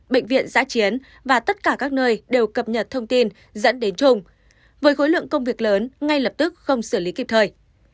bệnh viện giã chiến và tất cả các nơi đều cập nhật thông tin dẫn đến trùng với khối lượng công việc lớn ngay lập tức không xử lý kịp thời